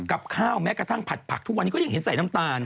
กับข้าวแม้กระทั่งผัดผักทุกวันนี้ก็ยังเห็นใส่น้ำตาล